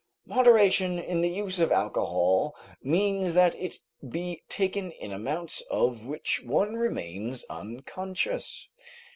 Moderation in the use of alcohol means that it be taken in amounts of which one remains unconscious.